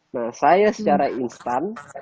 nah saya secara instan